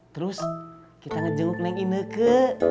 terus kita ngejenguk naik ini ke